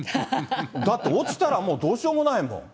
だって、落ちたらもうどうしようもないもん。